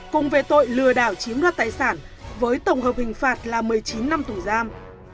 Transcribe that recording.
cùng về tội lừa đảo chiếm đoạt tài sản với tổng hợp hình phạt là một mươi chín năm tù giam